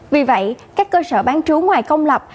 vì vậy các cơ sở bán trú ngoài công lập